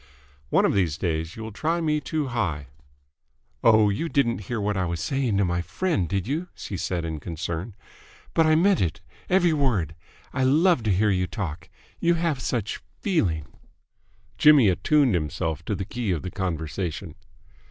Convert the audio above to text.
"One of these days you will try me too high !" "Oh, you didn't hear what I was saying to my friend, did you?" she said in concern. "But I meant it, every word. I love to hear you talk. You have such feeling!" Jimmy attuned himself to the key of the conversation.